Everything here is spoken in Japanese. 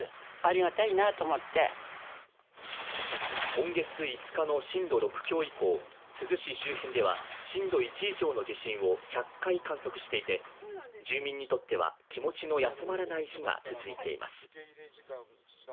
今月５日の震度６強以降、珠洲市周辺では震度１以上の地震を１００回観測していて、住民にとっては気持ちの休まらない日が続いています。